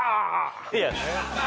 いや。